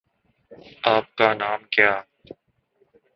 آپ کا نام کیا